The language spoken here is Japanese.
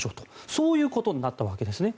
そういうことになったわけですね。